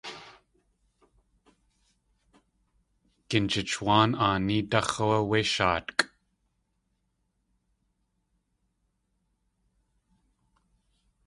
Ginjichwáan aanídáx̲ áwé wé shaatkʼ.